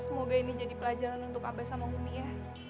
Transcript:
semoga ini jadi pelajaran untuk abah sama humi ya